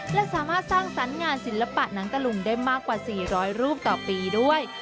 และสามารถสร้างสรรค์งานศิลปะหนังตะลุงได้มากกว่า๔๐๐รูปต่อปีด้วย